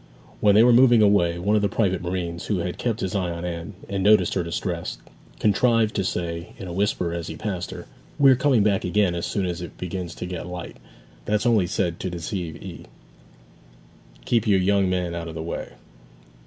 When they were moving away, one of the private marines, who had kept his eye on Anne, and noticed her distress, contrived to say in a whisper as he passed her, 'We are coming back again as soon as it begins to get light; that's only said to deceive 'ee. Keep your young man out of the way.'